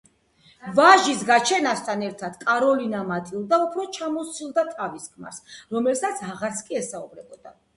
ვაჟის გაჩენასთან ერთად კაროლინა მატილდა უფრო ჩამოსცილდა თავის ქმარს, რომელსაც აღარც კი ესაუბრებოდა.